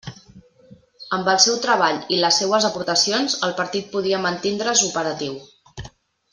Amb el seu treball i les seues aportacions, el partit podia mantindre's operatiu.